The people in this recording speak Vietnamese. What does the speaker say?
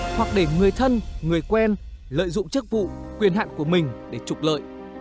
hoặc để người thân người quen lợi dụng chức vụ quyền hạn của mình để trục lợi